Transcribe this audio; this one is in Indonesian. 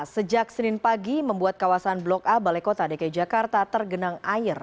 sejak senin pagi membuat kawasan blok a balai kota dki jakarta tergenang air